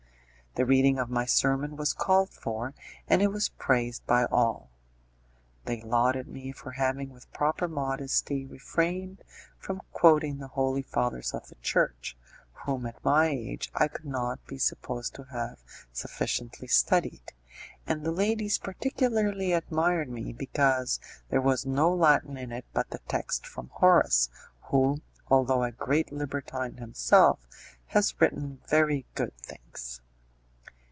The reading of my sermon was called for, and it was praised by all. They lauded me for having with proper modesty refrained from quoting the holy fathers of the Church, whom at my age I could not be supposed to have sufficiently studied, and the ladies particularly admired me because there was no Latin in it but the Text from Horace, who, although a great libertine himself, has written very good things.